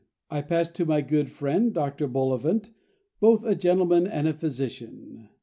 "I pass to my good friend Dr. Bullivant—both a gentleman and a physician.